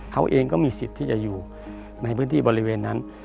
เขาเองก็มีสิทธิ์ที่จะอยู่ในพื้นที่บริเวณนั้น